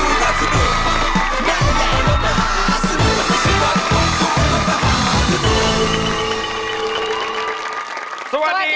สวัสดีครับ